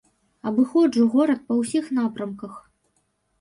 Абыходжу горад па ўсіх напрамках.